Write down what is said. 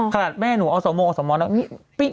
ขนาดแม่หนูอสโหมอสโหมเนี่ย